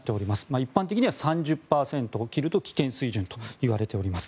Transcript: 一般的には３０％を切ると危険水準といわれています。